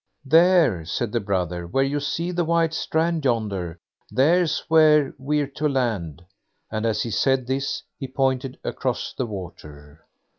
"There", said the brother, "where you see the white strand yonder, there's where we're to land"; and as he said this he pointed across the water.